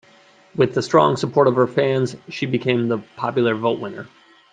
With the strong support of her fans, she became the popular vote winner.